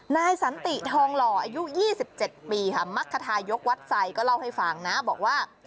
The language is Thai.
นายสันติทองหล่ออายุ๒๗ปีค่ะมักคทายกวัดไซคก็เล่าให้ฟังนะบอกว่า